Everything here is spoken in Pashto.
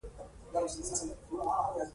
دا مارکیټونه پراختیا ته سخته اړتیا لري